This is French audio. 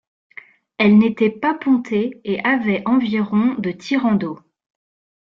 Elles n’étaient pas pontées et avaient environ de tirant d’eau.